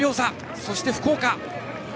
そして福岡。